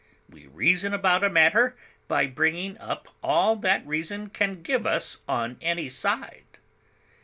We reason about a matter by bringing up all that reason can give us on any side.